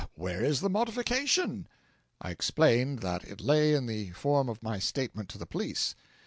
Where is the modification?' I explained that it lay in the form of my statement to the police.